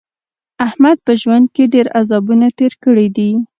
احمد په ژوند کې ډېر عذابونه تېر کړي دي.